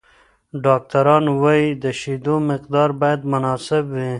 ډاکټران وايي، د شیدو مقدار باید مناسب وي.